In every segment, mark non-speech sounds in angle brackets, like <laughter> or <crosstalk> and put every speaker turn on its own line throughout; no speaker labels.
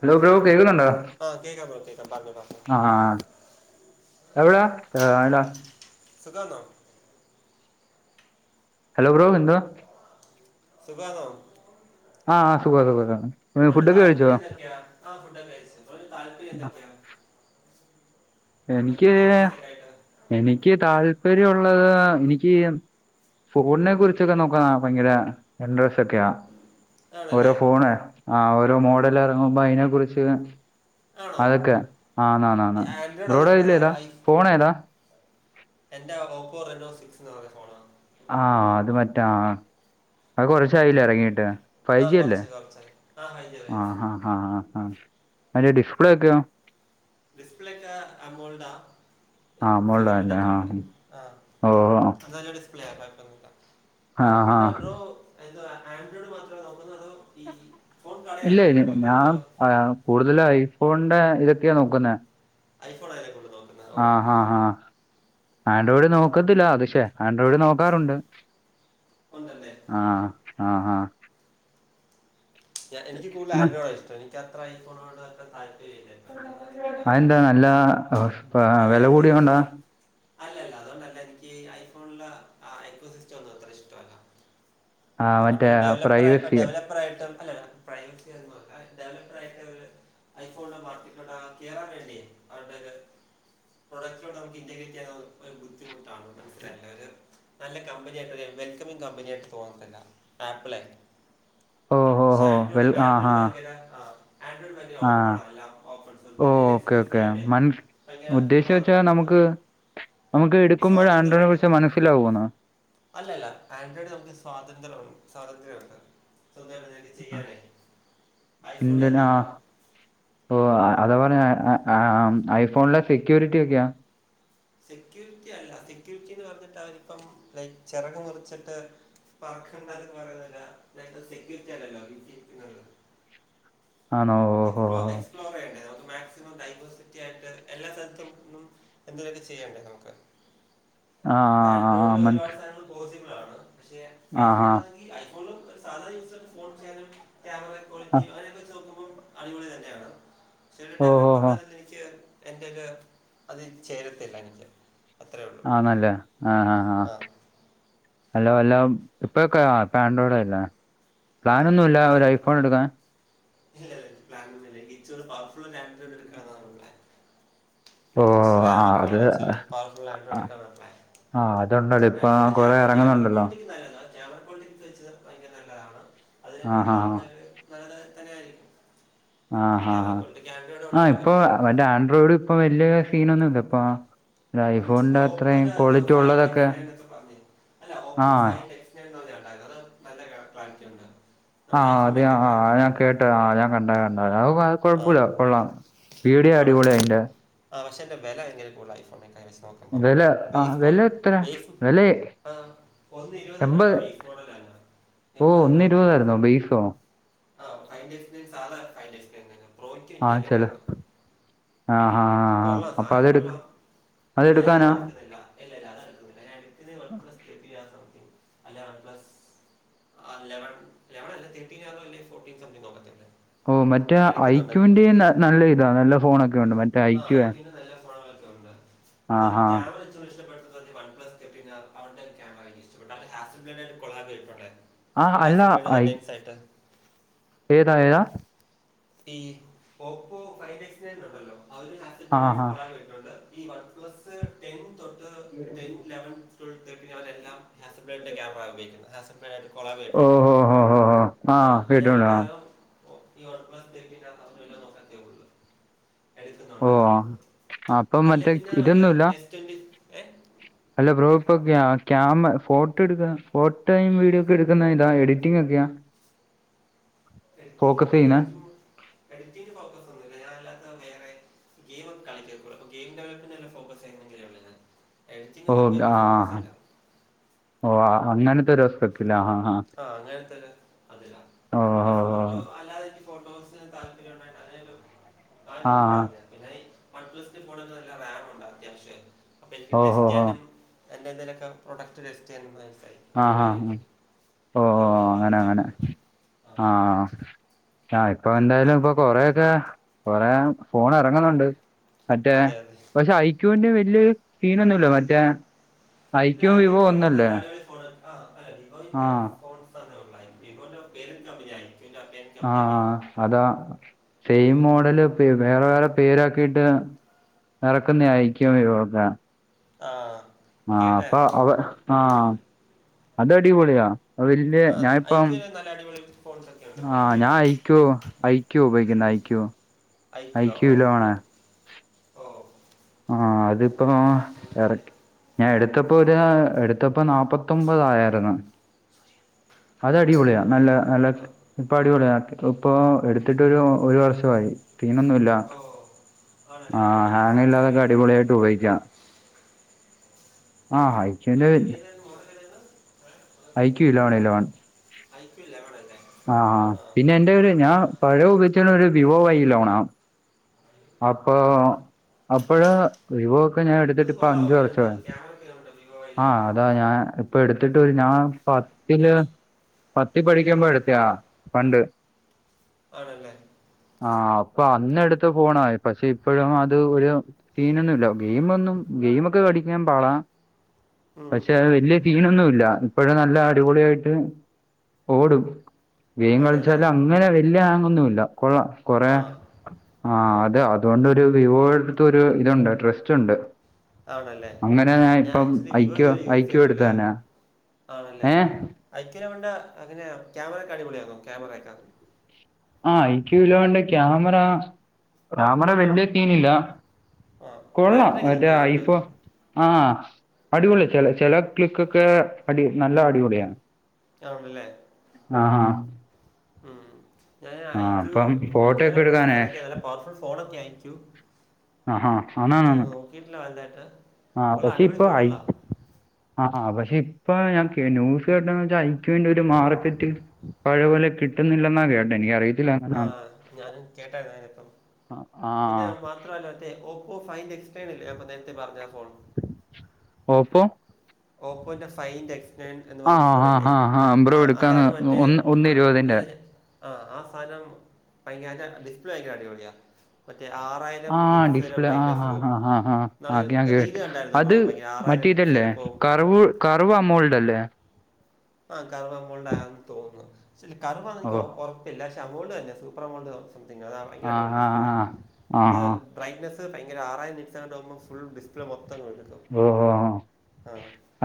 Hello <unintelligible> കേക്കുന്നുണ്ടോ?
ആ കേൾക്കാം ബ്രോ കേൾക്കാം പറഞ്ഞോ പറഞ്ഞോ
ആഹ് ആഹ് ആഹ് എവിടാ എവടാ
തുഖാണോ?
ഹലോ ബ്രോ എന്തോ?
സുഖാണോ?
ആഹ് സുഖാ സുഖാ സുഖാണ്
ബ്രോ ന് താല്പര്യം എന്തൊക്കെയാ? ആഹ് ഫുഡോക്കെ കഴ്ച്ച്ന്. ബ്രോക്ക് താല്പര്യം
ആ,
എന്തൊക്കേണ്?
എനിക്ക്
ആയിട്ട്
എനിക്ക് താല്പര്യം ഉള്ളത് എനിക്ക് ഫോണിനെ കുറിച്ചൊക്കെ നോക്കാൻ ഭയങ്കര ഇന്റർസ്റ്റ് ഒക്കെയാ. ഓരോ
ആണല്ലേ
ഫോണെ ആഹ് ഓരോ മോഡൽ എറങ്ങുമ്പോ അതിനെ കുറിച്ച്
ആണോ
അതൊക്കെ ആന്നാന്നാണ്
ആൻഡ്രോയിഡ് അത്
റോഡോ ഇല്ല
ഇഷ്ടം
ഇതാ
ഐ
ഫോൺ ഏതാ?
എന്റെ ഓപ്പോ റെനോ സിക്സ് എന്ന് പറഞ്ഞ ഫോണാ
ആഹ് അത് മറ്റാ ആഹ് ആഹ് അത് കൊറച്ചായില്ലേ എറങ്ങീട്ട്
ആഹ് കൊറച്ചായി കൊറച്ചായി ആഹ് കഴിഞ്ഞു കഴിഞ്ഞ്
ആഹ് ആഹ് അതിന്റെ ഡിസ്പ്ലേ ഒക്കെയോ?
ഡിസ്പ്ലേക്ക അമോൾഡാ
ആ
ഫിംഗർ പ്രിന്റ്
മുകളിലാണല്ലേ
ഒക്കെ ഒണ്ട് ആഹ്
ആ ഓ
<unintelligible> <unintelligible>
ആ ആ
പിന്നെ അതോ എന്തുവാ ആൻഡ്രോയ്ഡ് മാത്രേ നോക്കുന്നതോ ഫോൺ കടയാണോ <unintelligible> എന്തുവാ
കൂടുതലും ഐഫോണിന്റെ ഇതൊക്കെയാ നോക്കുന്നെ
ഐഫോണാല്ലേ കൂടുതലും നോക്
ആഹ് ആഹ് ഹാ ആൻഡ്രോയിഡ് നോക്കത്തില്ല അത്ശേ ആൻഡ്രോയിഡ് നോക്കാറുണ്ട്
ഒണ്ടല്ലേ
ആഹ് ആഹ് ആഹ്
എനിക്ക് കൂടുതൽ ആൻഡ്രോയിഡിനോടാ ഇഷ്ടം എനിക്കത്ര ഐ ഫോണോടിനോട് അത്ര താല്പര്യം
അതെന്താ നല്ലതാ
അല്ല എനിക്ക് അല്ലല്ല അതുകൊണ്ടല്ല എനിക്ക് ഐഫോണിലുള്ള ഐഫോൺ സിസ്റ്റം ഒന്നും അത്ര ഇഷ്ടല്ല
ആ
മറ്റെ
മറ്റേ
ഡെവപ്പ
പ്രൈവസി
ഡെവലപ്പർ ആയിട്ടും അല്ലെ <unintelligible> ഡെവലപ്പർ ആയിട്ട് ഐഫോണിന്റെ <unintelligible> ആക്കിയ റെഡി അതുകൊണ്ടെക്കെ കുറച്ച് കൂടെ നമുക്ക് <unintelligible> ചെയ്യാനൊരു ബുദ്ധിമുട്ടാണ് മനസ്സിലായില്ലേ ഒരു നല്ല കമ്പനിയായിട്ട് ഒരു വെൽക്കമിങ് കമ്പനി ആയിട്ട് തോന്നത്തില്ല ആപ്പിളെ
ആഹ് ആഹ്
പക്ഷേ ആൻഡ്രോയിഡ് ആഡ്രോയിഡ് ഭയങ്കര ആഹ് ആൻഡ്രോയിഡ് ഭയങ്കര
ആ
ഓപ്പണ എല്ലാ ഓപ്പൺസ്
ഓ
വലിയ
ഓക്കെ
എക്സ്പെൻസ്
ഓക്കെ
ആയോണ്ടെ
മനസ്
ഭയങ്കര
ഉദ്ദേശിച്ച
ആഹ്
വെച്ചാൽ
നമുക്ക്
നമുക്ക് എടുക്കുമ്പോഴേ ആൻഡ്രോയ്ഡ്
സ്വാതന്ത്ര്യമുണ്ട്
പക്ഷെ മനസ്സിലാകുവാണാ
അല്ലല്ല ആൻഡ്രോയിഡ് നമുക്ക് സ്വാതന്ത്ര്യം സ്വാതന്ത്ര്യം ഉണ്ട് സ്വന്തവായിട്ട് എന്തേലും ചെയ്യാനെ ഐഫോണിൽ
ഇന്ത്യൻ ആ
അതില്ല
ഓ അതാ പറഞ്ഞെ ഐഫോണിലെ സെക്യൂരിറ്റി ഒക്കെയാ
സെക്യൂരിറ്റി അല്ല സെക്യൂരിറ്റിന്ന് പറഞ്ഞിട്ട് അവരിപ്പം ലൈക് ചിറക് മുറിച്ചിട്ട് പറക്കണ്ടതെന്ന് പറയുന്ന പോല സെക്യൂരിറ്റി അല്ലല്ലോ <unintelligible>
ആണോ ഓ ഹോ
എക്സ്പ്ലോ
ഹോ
എക്സ്പ്ലോർ ചെയ്യണ്ടേ നമുക്ക് മാക്സിമം ഡൈവേഴ്സിറ്റി ആയിട്ട് എല്ലാ സ്ഥലത്തുന്നും എന്തുവേണ്ടി ചെയ്യണ്ടേ നമുക്ക്
<inaudible> ആ ആ
ആൻഡ്രോയിഡില്
മനസ്
ഒരുപാട് സാധനം പോസിബിൾ ആണ് പക്ഷെ
ആ ആ
ഐഫോണിൽ അതി ഐഫോണും സാധാ യൂസർ ഫോൺ ചെയ്യാനും ക്യാമറ
ആ
ക്വാളിറ്റി അങ്ങനൊക്കെ വെച്ച് നോക്കുമ്പോ അടിപൊളി തന്നെയാണ് ചില
ഓ ഓ ഓ
ഡെവലപ്പറിന്റാത്ത് എനിക്ക് എന്റത് അതിൽ ചേരത്തില്ല എനിക്ക് അത്രേ ഉള്ളൂ
ആണല്ലേ ആഹ് ആഹ് ആഹ്
ആ
ഹലോ ഹലോ ഇപ്പഴൊക്കെയ ഇപ്പ ആൻഡ്രോയിഡയില്ലേ പ്ലാനൊന്നുമില്ലേ ഒരു ഐഫോൺ എടുക്കാൻ
ഇല്ലില്ല പ്ലാൻ ഒന്നുമില്ല എനിക്ക് ഇച്ച ഒരു പവർഫുള്ള് ഒരാൻഡ്രോയ്‌ഡ് എടുക്കാൻ എന്നുള്ള
ഓ ആ
ശ്രാമൊക്കെ
അത്
ഉള്ള വച്ചൊരു പവർ ഫുൾ
ആ
ആൻഡ്രോയ്‌ഡ് എടുക്കാന പ്ലാൻ
ആ അതുണ്ടല്ലോ ഇപ്പൊ
ഐഫോണിന്റെ
കുറെ
ക്യാമറ ക്യാമറ
ഇറങ്ങുന്നുണ്ടല്ലോ
ക്വാളിറ്റിക്ക് നല്ലതാണ് ക്യാമറ കാളിറ്റി വെച്ചത് ഭയങ്കര നല്ലതാണ് അതിനൊക്കെ
ആ
എടുത്ത
ഹാ ഹാ
ആൾക്കാര് നല്ല തന്നെ ആയിരിക്കും പിന്നെ
ആഹ്
ക്യാമറ
ആഹ്
കൊണ്ട് ക്യാമറയോടെ
ആഹ്
ഉണ്ടല്ലോ
ഇപ്പൊ
ഒരുപാട്
മറ്റെ ആൻഡ്രോയിഡ് ഇപ്പൊ വലിയ സീനൊന്നും ഇല്ല ഇപ്പ
ഉം ഇപ്പ ഓപ്പോ തന്നെ ആണ് ഫൈവ്
ഉള്ളതൊക്കെ
എക്സ് ണയണ് എന്നൊക്കെ പറഞ്ഞിരുന്നു അല്ല
ആ
ഓപ്പോ ഫൈവ് എക്സ് അത് നല്ല <unintelligible> നമ്മുടെ
ആഹ് അത്
ഐഫോണിനൊക്കെ ക്ലാരിറ്റി
ആഹ് ഞാൻ
ഉണ്ട്
കേട് ട്ട് ആഹ് ഞാൻ കണ്ട കണ്ടാര്ന്ന് അത്
ആ
കുഴപ്പൊല്ല കൊള്ളാം വീഡിയോ അടിപൊളിയ അയിന്റെ
ആഹ് പക്ഷേന്റെ വെല ഭയങ്കര കൂടുതല ഐഫോണിനെക്കായ് വച്ച് നോക്കുമ്പൊ
വില ആ
ബേഫ് മോ
വില എത്ര
ബേഫ്
വില
ആഹ് ഒന്ന് ഇരുപതെങ്ങാണ്ടാ ബീഫ് മോഡൽ അല്ല
ഓഹ് ഒന്ന് ഇരുപതായിരുന്നോ ബെയ്ഫോ
ആഹ് ഫൈവ് എക്സ് സാദാ ഫൈവ് <unintelligible> പ്രോയ്ക്ക്
ആ
പിന്നെയും വെല
ചില
ആയിരുന്നു
ആ ഹാ ഹാ
കൊള്ളാം
അപ്പൊ
സാനം
അതെടു
കൊള്ളാം ഇല്ലെ
അതെടുക്കാനാ
അതൊന്നും എടുക്കുന്നില്ല ഇല്ല ഇല്ല അതെടുക്കുന്നില്ല ഞാൻഎടുക്കുന്നെ വൺ പ്ലസ് <unintelligible> അല്ലെ വൺ പ്ലസ് ആ ലവൺ ലവണല്ല തേട്ടീൻ ആന്നോ അല്ലെ ഫോർട്ടീൻ സംതിങ് നോക്കത്തില്ലേ
ഓ മറ്റേ ഐക്യുവിന്റെ നല്ല ഇതാണ് നല്ല ഫോണ് ഒക്കെ ഉണ്ട് മ
ആ ഐക്യുന്റെ നല്ല ഫോണുകളൊക്കെ ഉണ്ട്.
ആ
എന്കി
ഹാ
ക്യാമറ ഇച്ചിരൂടെ ഇഷ്ടപ്പെട്ടതൊക്കെ വൺ പ്ലസ് ന്റെ <unintelligible> ക്യാമറ എനിക്ക് ഇഷ്ടപെട്ടു. അത്‌ <unintelligible> ആയിട്ട് കൊളാബ് ചെയ്തിട്ടുണ്ടാർന്നു
ആ
കാസൽപേട്ട അല്ല
ഐ
ലെൻ സൈട്ട് <unintelligible>
ഏതാ ഏതാ
ഈ ഓപ്പോ ഫൈവ് എക്സ് ഉണ്ടല്ലോ ആ ഒരു ഹസിൽ
ആ
<unintelligible> ആയിട്ട്
ഹാ
കൊളാബ് ചെയ്തിട്ടുണ്ട് ഈ വൺ പ്ലസ്സ് ടെൻ തൊട്ട് ടെൻ ലവൻ ട്വൽ തേർട്ടിൻ അവയെ ല്ലാം <unintelligible> ക്യാമറ ഉപയോഗിക്കുന്നെ ഹാസ് കൊളാബ്
ഓ
ചെയ്തിട്ടുണ്ട്
ഹോ ഹോ ഹോ ഹോ
ആ അപ്പൊ ഞാൻ
കേട്ടിട്ടുണ്ട് ആ
മിക്കയാവാറും ഒ ഈ വൺ പ്ലസ് <unintelligible>
ഓ
എടുക്കുന്നുണ്ടങ്കിൽ
ആ അപ്പം
അല്ലെ പിന്നെ മറ്റേ ഒരു
ഇതൊന്നുമില്ല
എസ് ട്വന്റി എഹ്
അല്ല ബ്രോ ഇപ്പൊ ക്യാം ഫോട്ടോ എടുക്കുക ഫോട്ടോയും വീഡിയോ ഒക്കെ എടുക്കുന്ന ഇതാ എഡിറ്റിംഗ ഒക്കെയാ
എഡിറ്റിങ്ങ്
ഫോക്കസ്
വേണ്ടിയല്ല ഞാൻ
ചെയ്യുന്നത്
ചുമ്മാ എഡിറ്റിങ്ങ് ഫോക്കസ് ഒന്നുംല്ല ഞാൻ അല്ലാത്ത വേറെ ഗെയിം ഒക്കെ കളിക്കും അപ്പൊ ഗെയിം ഡെവലപ്പ് ഫോക്കസ് ചെയ്യുന്നെങ്കിലേ ഒള്ളു ഞാൻ എഡിറ്റിംങ്ങ്
ഓ
ഒന്നും ഇപ്പം എനിക്ക്
ആ
ഫോക്കസ് ഇല്ല
ഓ അങ്ങനത്തെ ഒരു അവസ്ഥക്കെല്ലേ ആഹാ
ആഹ അങ്ങനത്തെ ഒരു അതിലാ
ആ
പിന്നെ ഫോൺ ഫോട്ടോ അല്ലാതെ എനിക്ക് ഫോട്ടോസിന് താല്പര്യം ഉണ്ടായിട്ട് ആ രീതിയിൽ പറഞ്ഞ പിന്നെഈ വൺപ്ലസ് ഫോൺ നല്ല റാം ഉണ്ട് അത്യാവശ്യമെ അപ്പ എനിക്ക്
ഓ ഓ ഓ ആ
ടെസ്റ്റ്
ഓ ഹോ ഹോ
ചെയ്യാനും എൻ്റെന്തേലൊക്കെ പ്രോടക്റ്റ് ടെസ്റ്റ് ചെയ്യാനും നൈസ് ആയിരിക്കും
ആഹ് ആഹ് ഓ ഓ അങ്ങനെ
പറഞ്ഞതേ
അങ്ങനെ
ഉള്ളൂ ആ,
ആഹഹ ആഹ ഇപ്പൊ എന്തായാലും ഇപ്പൊ കൊറയൊക്കെ കൊറേ ഫോൺ എറങ്ങുന്നുണ്ട് മറ്റേ
അതെ അതെ
പക്ഷെ ഐക്യുവിന്റെ വലിയ സീനൊന്നുമില്ല മറ്റേ ഐക്യവും വിവോ ഒന്നല്ലേ
ഫോ ആ അല്ല
ആ
വിവോന്റെ ഫോൺസ് ഉള്ള വിവോന്റെ പേഡ് കമ്പനിയ ഐ ക്യു ന്റെ
ആഹ അതാ
ആ.
സെയിം മോഡൽ വേറെ വേറെ പേരാക്കിയിട്ട് ഇറക്കുന്ന ആയിരിക്കും വിവോക്കെ
ആഹ
ആ അപ്പൊ അത് ആഹ അത് അടിപൊളിയാ വലിയ
ആ
ഞാനിപ്പം
ഐക്യു നല്ല അടിപൊളി ഫോൺസ് ഒക്കെ ഉണ്ട്
ആഹ
ഐക്യു
ഞാൻ ഐക്യൂ ഐക്യൂ ഉപയോഗിക്കുന്ന ഐക്യൂ
ഐക്യു ഓ ഓഓ
ആഹ അതിപ്പൊ
രോഹിതല്ലേ
ഇറക്കി ഞാൻ എടുത്തപ്പോ ഒരു എടുത്തപ്പോ നാപ്പത്തൊമ്പതായായിരുന്നു. അത് അടിപൊളിയാ നല്ല
രോഹിത്
നല്ല
ആ
ഇപ്പൊ അടിപൊളിയ ഇപ്പൊ എടുത്തിട്ട് ഒരു വർഷമായി സിനൊന്നുല്ല
ഓ ആണല്ലേ ഐ ക്യൂ സെറ്റാണ് കേട്ട
ട്ടും ഉപയോഗിക്ക ആ ഐ
ഐ ക്യു ന്റെ ഏതാര്ന്ന് മോഡൽ ഏതാരുന്ന്
iQOO eleven eleven
iQOO eleven അല്ലേ
ആഹ പിന്നെ എന്റെ കയ്യിൽ ഒരു ഞാൻ പഴയ ഉപയോഗിച്ചിണെ ഒരു വിവോ ഐ ലോണ അപ്പൊ അപ്പോഴ്‌ വിവോ ഒക്കെ ഞാൻ എടു
അത്
ത്തിട്ട് ഇപ്പ
കൊള്ളാമോ
അഞ്ചു
അതിനുണ്ട്
വർഷം
അത് ക്യാമറയ്ക്ക് ഉണ്ട് വിവോ വൈ ലെവൻ
ആയി അതാ ഞാൻ ഇപ്പൊ എടുത്തിട്ട് ഞാൻ പത്തില് പത്തി പഠിക്കുമ്പോ എടുത്തയാ പണ്ട്
ആണല്ലേ?
ആ അപ്പൊ അന്ന് എടുത്ത ഫോണായി പക്ഷെ ഇപ്പോഴും അത് ഒരു സീനൊന്നുല്ല ഗെയിം ഒന്നും ഗെയിമൊക്കെ കളിക്കാൻ പാടാ
ഉം,
പക്ഷെ വല്യ സീനൊണൊന്നുല്ല ഇപ്പോളും നല്ല അടിപൊളിയായിട്ട്. ഓടും ഗൈം
ആണല്ലേ
കളിച്ചാലും അങ്ങനെ വല്യ ആങ്ങൊന്നുല്ല കൊള്ള കൊറേ
ആ
ആ അതെ അതുകൊണ്ട് വിവോടുത്ത ഒരു ഇതുണ്ട് ട്രസ്റ്റ് ഉണ്ട്
ആണല്ലേ
അങ്ങനെ ഞാൻ ഇപ്പം
ആക്ച്വലി വിവോ
ഐക്ക
ഇതുവരെ യൂസ്
ഐക്കോ
ചെയ്തിട്ടില്ല
എടുത്താനാ
ആണല്ലേ ഐക്യന വേണ്ട അങ്ങനെയ ക്യാമറക്കെ അടിപൊളിയാണോ ക്യാമറയക്കെ?
ആ ഐക്യൂ ഇല്ലണ്ട് ക്യാമറ ക്യാമറ വല്യ സീനില്ല.
ആ
കൊള്ളാം
ബാറ്ററി ഒക്കെ
മറ്റെ
നിൽക്കും ഒരുപാട്
ഐഫോ ആഹ് അടിപൊളി ചെല ചെല ക്ലിക്ക്ക്കെ അടി നല്ല അടിപൊളിയാണ്.
ആണല്ലേ
ആഹഹ
ഉം ഞാൻ അയച്ചു
അപ്പം ഫോട്ടോ
അയക്ക് നല്ല
ഒക്കെ എടുക്കാനേ
പ്രോസസറൊക്കെ നല്ല പവർഫുൾ ഫോൺക്കെ അയ്കു
ആഹാ ആണാണാണ്
വലുതായിട്ട്
ആഹ
കൊള്ളാം
പക്ഷേ
അടിപൊളി
ഇപ്പൊ അയി
ഫോണുകളാ
ആഹ ആഹ് പക്ഷെ ഇപ്പൊ ഞാൻ ന്യൂസ് കേട്ടന്ന് വച്ചാ ഐക്യൻ്റെ വേണ്ടി ഒരു മാർക്കറ്റ്. പഴ പോല കിട്ടുന്നില്ലെന്നാ കേട്ടെ എനിക്കറിയ
ആ ഞാനും കേട്ടായിരന് ഇപ്പം
ആ ആ
പിന്നെ. മാത്രല്ല ഓപ്പോ ഫൈൻ്റ് എക്സ്ടേർ ല്ലേ അപ്പ നേരത്തെ പറഞ്ഞ ഫോൺ
ഓപ്പോ?
ഓപ്പോന്റെ ഫൈൻഡെക്സ് ൻ എന്ന്
ആ
പറഞ്ഞ
ആ
ഫോണില്ലേ
ആ
ആ
ബ്രോ എടുക്കാന്ന്
അതാണ് മറ്റേ
ഒന്ന് ഒന്ന്
ആ അല്ല
ഇരുപതിന്റെ
ല്ല ആ ആ സാധനം അയ്ന്റെ ഡിസ്പ്ലേഒക്കെഅടിപൊളിയാ മറ്റേ ആ ആറായിരം
ആ
നിറ്റ്സ് വരെ
ഡിസ്പ്ലേ ആ
ബ്രൈനസ്
ഹാ
പോകും
ഹാ ഹാ ഹാ
നമ്മൾ
ആ ഞാൻ
റീൽ
കേട്ട്
കണ്ടായിരുന്നു ബ്രോ ആറായിരം നിറ്റ്സ് വരെ പോവും പോകവും
കറവ കറുവ അവോൾഡ് അല്ലേ?
ആഹ് കറ്‌വ അമൗണ്ട് ആണ്ന്ന് തോന്നുന്നു പക്ഷേ
ഓ
കറവാനിക്കി ഉറപ്പില്ല പക്ഷെ അമൗണ്ട് തന്നെയ സൂപ്പർ എമൗണ്ട് അത ഭയര അടിപൊളി ഡിസ്പ്ല ആ
ആ
ഇത്
ആ
ബ്രറ്റ്നസ്സ് ഭയങ്കര ആറായിരം നിറ്റ് സ ഫുൾ ഡിസ്പ്ലേ ൾ മൊത്തം കണ്ടക്കാം
ഓ ഓ ഓ.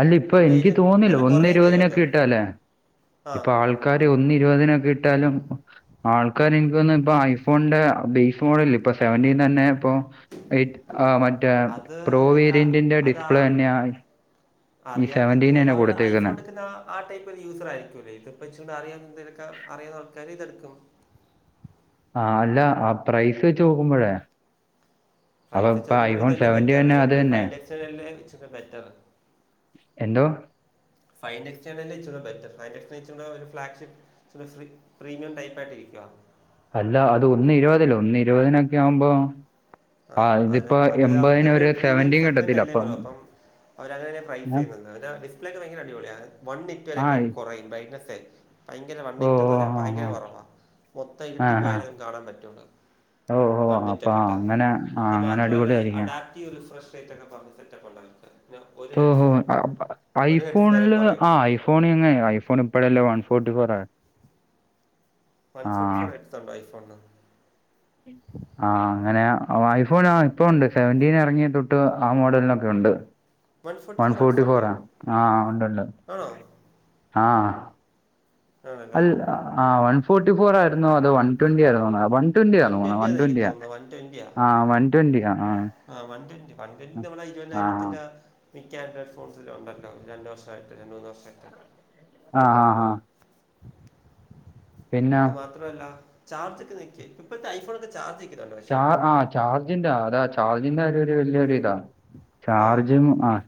അല്ല ഇപ്പൊ എനിക്ക് തോന്നില്ല ഒന്നേ
കുറയും ചെയ്യും അത്
ഇരുപതിനൊക്കെ കിട്ടല്ലേ ഇപ്പ ആ ആൾക്കാര് ഒന്നേ ഇരുപതിനൊക്കെ കിട്ടാലും ആൾക്കാർ എനിക്ക് തന്ന ഇപ്പൊ ഐഫോണിന്റെ ബേസ് മോഡൽ ഇപ്പൊ സെവന്റീ തന്നെ ഇപ്പൊ ആ മറ്റേ
അത്
പ്രോ
ആ-
വേരിയന്റിന്റെ
അതാ
ഡിസ്പ്ലേ തന്നെയാണ് ഈ സെവൻ്റീൻ
അറിയാത്തതിൽ
തന്നെ
അവർ ഐഫോൺ
കൊടുത്തേക്കുന്നത്
എടുക്കുന്ന ആ- ആ ടൈപ്പ് ഒരു യൂസർ ആയിരിക്കുമല്ലേ ഇപ്പൾ ഇച്ച അറിയൻ അറിയുന്ന ആൾക്കാർ ഇതെടുക്കും
ആ അല്ല ആ പ്രൈസ് വെച്ച് നോക്കുമ്പോഴേ അപ്പൊ
പൈസ വച്ചു
ഇപ്പൊ
നോക്കുമ്പോൾ
ഐഫോൺ
ഇതല്ലേ
സെവന്റി
ബെറ്റ
തന്നെ അത് തന്നെ
ബെറ്റർ <unintelligible>
എന്തോ
ഫൈൻ്റക്സേൺ തന്നെ ച്ചുടെ ബെറ്റർ പ്രീമിയം ടൈപ്പായിട്ട് ഇരിക്കയാണ്
അല്ല അത് ഒന്ന് ഇരുപതല്ലേ ഒന്ന് ഇരുപതിനൊക്കെ ആവുമ്പോ
ആ അ
ഇതിപ്പോ
അത് അവരുടെ
എൺപതിന്
ഒരു പ്രീമിയം
സെവന്റിയും
സെഗ്മെന്റ്
കിട്ടത്തില്ല
അല്ലേ
അപ്പൊ
ബ്രോ അപ്പം അവര് അങ്ങനെയ പ്രൈസ്
ഞാൻ
ചെയ്യുന്നത് അ ഡിസ്പ്ലേ ഒക്കെ ഭയങ്കര അടിപൊളിയ
ആ
വൺറ്റ്വലൊക്കെ
ഇ-
കുറയും <unintelligible> ഭയങ്കര വൺ
ഓ
ഏയ്റ്റെന്ന്
ഓ
എന്ന് വെച്ചാൽ
ആ
ഭയങ്കര കുറവാ മൊത്തം
ആ
ഇരുട്ടിപ്പോയാലും കാണാൻ പറ്റുള്ളൂ വൺ ഇറ്റ്
അപ്പ
ഒക്കെ ഇട്ടാ
അങ്ങനെ ആ
അത്
അങ്ങനെ
മാത്രമല്ലഈ
അടിപൊളിയായിരിക്കും
അഡാപ്റ്റീവ് റിഫ്രഷ് എന്നൊക്കെ പറഞ്ഞ സെറ്റപ്പണ്ടല്ലോ
ഓ ഓ
ഹെഡ്സ് വരെ
ഐഫോണില്
കുറയും
ആ ഐഫോ ഐഫോണിന്ന് ഐഫോൺ ഇപ്പഴല്ലേ വൺ ഫോർട്ടി ഫോർ ആയേ
വൺ ഫോർട്ടി ഫോർ എക്സ്ണ്ടോ ഐഫോണിനു
ആ അങ്ങനെ ഐഫോൺ ഇപ്പണ്ട് സെവൻ്റീൻ ഇറങ്ങിയ തൊട്ട് ആ മോഡലിനൊക്കെ ഉണ്ട് വൺ
ഫോർ ഹെഡ്സ്
ഫോർട്ടി ഫോറ
ഉണ്ടോ
ആ ആഹ ഉണ്ട്ണ്ട്
ആണോ
ആഹ
ആണല്ലേ
അൽ ആ വൺ ഫോർട്ടി ഫോർ ആയിരുന്നോ അതോ വൺ ട്വന്റി ആയിരുന്നോ വൺ ട്വൻറ്റിയാ തോന്നുന്നത്
ട്വന്റി
വൺ
ആണ് എനിക്ക്
ട്വൻറ്റിയാണ്
തോന്നുന്നത് വൺ
ആ വൺ ട്വൻറ്റിയ ആ ആ
ആഹ് വൺ ട്വന്റി വൺട്വൻ്റി നമ്മളെ
ആ
ഇരുപതിനായിരത്തിന്റെ മിക്ക ആൻഡ്രോയ്ഡ് ഫോൺസിലും ഉണ്ടല്ലോ രണ്ട് വർഷായിട്ട് രണ്ട് മൂന്ന് വർഷായിട്ട്
ആഹ് ആ. പിന്നെ
അത് മാത്രമല്ല ചാർജൊക്കെ നിക്ക് ഇപ്പഴത്തെ ഐഫോൺ ഒക്കെ ചാർജ് നിൽക്കുന്നുണ്ട് പക്ഷെ
ചാ ആഹ് ചാർജിന്റെ അതാ ചാർജിന്റെ കാര്യം ഒരു വലിയൊര് ഇതാ
ആ
ചാർജും ആഹ്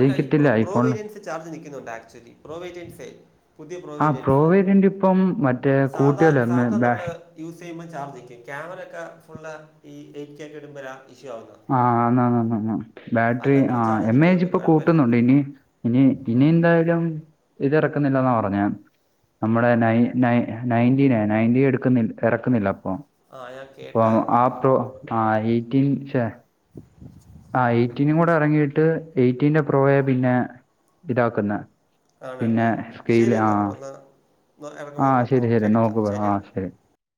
അല്ല ഈ പ്രോ പ്രോ വേര്യൻസ് ചാർജ് നിക്കുന്നുണ്ട് ആക്ച്വലി പ്രോവേരിയൻസെ. പുതിയ പ്രോ
ആ
വേരിയൻസ്
വേരിയൻ്റ് ഇപ്പം മറ്റേ
സാധാ
കൂട്ടിയല്ലോ എം എ
സാധാ
ബാ-
നമ്മള് യൂസ് ചെയ്യുമ്പം ചാർജ് നിക്കും. ക്യാമറ ഒക്കെ ഫുള്ള ഈ എയ്റ്റ് കെ ഒക്കെടുമ്പഴി ഇഷ്യൂ ആവുന്നത്.
ആഹ് ആന്നാന്നാന്ന് ബാറ്ററി
അല്ലാത്തപ്പോൾ
ആഹ്
ചാർജ്
എം എ എച്
നിൽക്കുന്നുണ്ട്
ഇപ്പൊ
കുഴപ്പമില്ല
കൂട്ടുന്നുണ്ട് ഇനി ഇനി ഇനി എന്തായാലും ഇത് എറക്കുന്നില്ലെന്നാ പറഞ്ഞെ നമ്മുടെ നയ് നയ് നയന്റിനെ നയൻൻ്റീൻ എടുക്കുന്ന ഇറക്കുന്നില്ല അപ്പം.
ആ ഞാൻ
ഇപ്പം
കേട്ടായിരുന്നു
ആപ് ട്ടു ആഹ് ഏയ്‌റ്റീൻ ചെ ആഹ് എയ്റ്റീനും കൂടെ എറങ്ങിയിട്ട് എയ്റ്റീന്റെ പ്രോയാ പിന്നെ ഇതാക്കുന്നെ. പിന്നെ
ആണല്ലേ ശരി
സ്കെയ്ൽ
എന്നാൽ ബ്രോ
ആഹ്
എന്നാൽ ഇറങ്ങുമ്പോൾ
ആഹ്
നമുക്ക്
ശരി ശരി
നോക്കിയെടുക്കാം
നോക്കി പറ
എന്നാൽ
ആഹ് ശരി